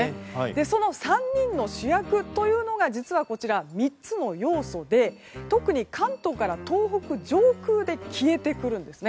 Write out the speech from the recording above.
その３人の主役というのが３つの要素で特に関東から東北上空で消えてくるんですね。